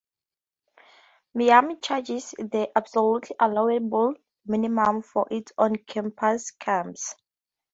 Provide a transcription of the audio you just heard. Miami charges the absolute allowable minimum for its on-campus camps.